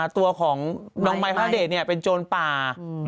ตัวของน้องไม้พระเดชเป็นโจรป่า